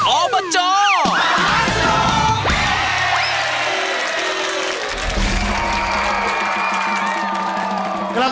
ออบจขอชม